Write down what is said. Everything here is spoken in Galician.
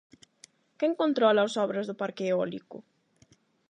Quen controla as obras do parque eólico?